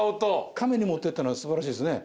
亀に持ってったのは素晴らしいですね。